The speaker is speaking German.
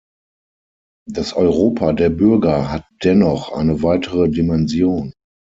Das Europa der Bürger hat dennoch eine weitere Dimension.